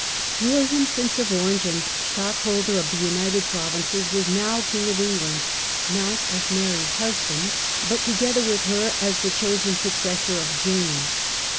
William, Prince of Orange, and Stadtholder of the United Provinces, was now King of England, not as Mary's husband, but together with her as the The new chosen successor of James.